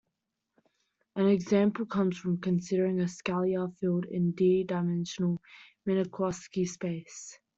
An example comes from considering a scalar field in "D"-dimensional Minkowski space.